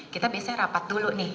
kita biasanya rapat dulu nih